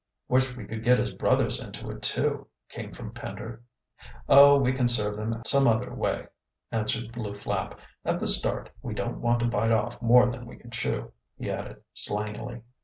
"Wish we could get his brothers into it, too," came from Pender. "Oh, we can serve them out some other way," answered Lew Flapp. "At the start, we don't want to bite off more than we can chew," he added slangily.